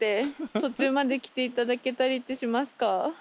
途中まで来ていただけたりってしますか？